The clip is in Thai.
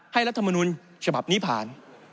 รัฐมนุนฉบับนี้ผ่าน